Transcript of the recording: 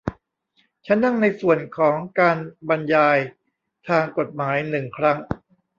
ฉันนั่งในส่วนของการบรรยายทางกฎหมายหนึ่งครั้ง